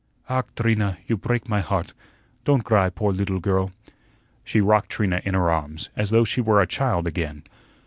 "Ach, Trina, you preak my heart. Don't gry, poor leetle girl." She rocked Trina in her arms as though she were a child again.